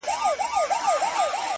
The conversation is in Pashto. اوس سپوږمۍ نسته اوس رڼا نلرم!